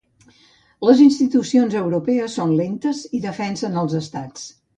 Les institucions europees són lentes i defensen els estats.